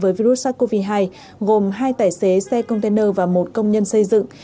với virus sars cov hai gồm hai tài xế xe container và một công nhân xây dựng